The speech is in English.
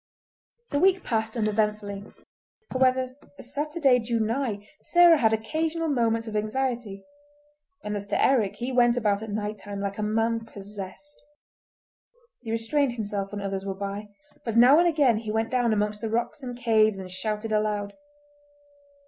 The week passed uneventfully; however, as Saturday drew nigh Sarah had occasional moments of anxiety, and as to Eric he went about at night time like a man possessed. He restrained himself when others were by, but now and again he went down amongst the rocks and caves and shouted aloud.